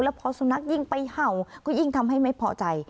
พอสุนัขยิ่งไปเห่าก็ยิ่งทำให้ไม่พอใจ